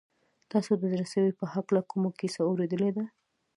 تاسو د زړه سوي په هکله کومه کیسه اورېدلې ده؟